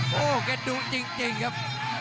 โฮเอ็นดูจริงครับ